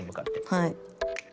はい。